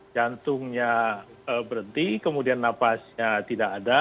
jantungnya berhenti kemudian napasnya tidak ada